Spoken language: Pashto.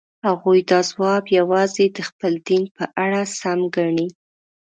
هغوی دا ځواب یوازې د خپل دین په اړه سم ګڼي.